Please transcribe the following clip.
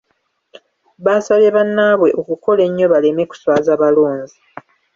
Baasabye bannaabwe okukola ennyo baleme kuswaza balonzi.